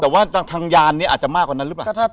แต่ว่าทางยานนี้อาจจะมากกว่านั้นหรือเปล่า